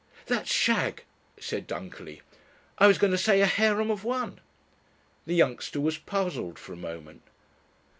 "That's shag," said Dunkerley, "I was going to say 'a harem of one'." The youngster was puzzled for a moment.